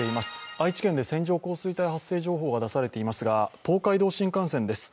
愛知県で線状降水帯発生情報が出されていますが東海道新幹線です。